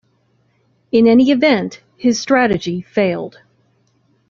In any event, his strategy failed.